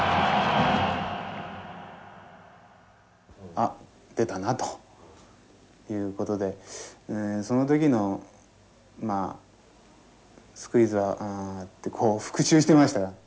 あっ出たなということでその時のまあスクイズはああってこう復習してましたよ。